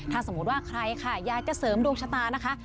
ถ้าสมมุติว่าใครค่ะอยากจะเสริมดวงชะตานะคะ